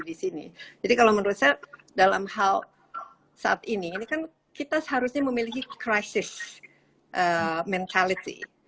di sini jadi kalau menurut saya dalam hal saat ini ini kan kita seharusnya memiliki crisis mentality